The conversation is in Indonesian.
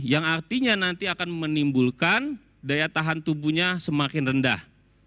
yang artinya nanti akan menimbulkan daya tahan tubuhnya semakin rendah